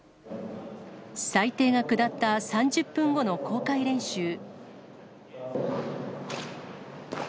裁定が下った３０分後の公開練習。